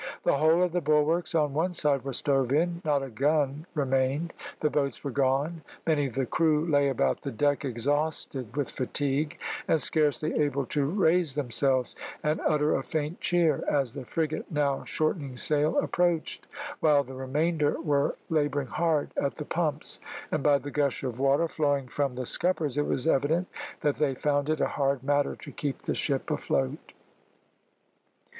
The whole of the bulwarks on one side were stove in; not a gun remained, the boats were gone. Many of the crew lay about the deck exhausted with fatigue, and scarcely able to raise themselves, and utter a faint cheer, as the frigate, now shortening sail, approached, while the remainder were labouring hard at the pumps; and by the gush of water flowing from the scuppers, it was evident that they found it a hard matter to keep the ship afloat.